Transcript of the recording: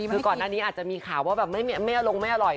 คือก่อนหน้านี้อาจจะมีข่าวว่าแบบไม่ลงไม่อร่อย